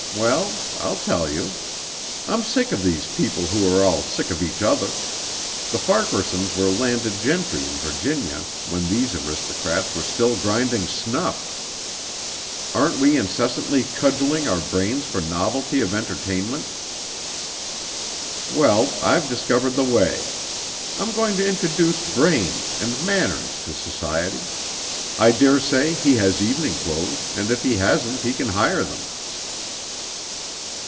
Well, I'll tell you. I'm sick of these people who are all sick of each other. The Farquaharsons were landed gentry in Virginia when these aristocrats were still grinding snuff. Aren't we incessantly cudgeling our brains for novelty of entertainment? Well, I've discovered the way. I'm going to introduce brains and manners to society. I daresay he has evening clothes and if he hasn't he can hire them."